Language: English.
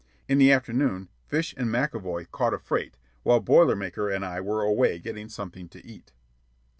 In the afternoon Fish and McAvoy caught a freight while Boiler Maker and I were away getting something to eat.